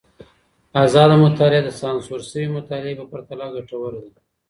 ازاده مطالعه د سانسور سوي مطالعې په پرتله ګټوره ده.